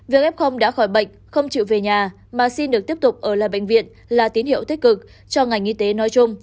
việc f đã khỏi bệnh không chịu về nhà mà xin được tiếp tục ở lại bệnh viện là tín hiệu tích cực cho ngành y tế nói chung